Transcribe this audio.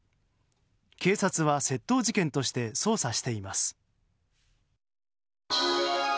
警察は窃盗事件として捜査しています。